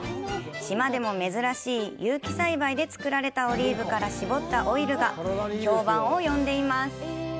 島でも珍しい有機栽培で作られたオリーブから搾ったオイルが評判を呼んでいます。